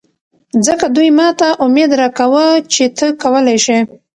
ځکه دوي ماته اميد راکوه چې ته کولې شې.